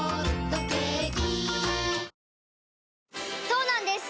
そうなんです